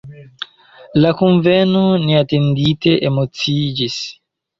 La kunveno neatendite emociiĝis.